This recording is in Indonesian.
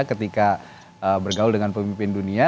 ketika bergaul dengan pemimpin dunia